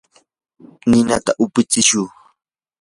ninata upitsichu.